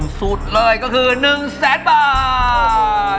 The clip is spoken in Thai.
บนสูตรเลยก็คือ๑๐๐๐๐๐บาท